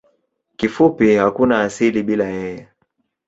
Kifupi hakuna asili bila yeye.